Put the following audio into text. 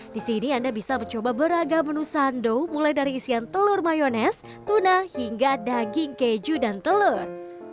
di sini anda bisa mencoba beragam menu sando mulai dari isian telur mayonese tuna hingga daging keju dan telur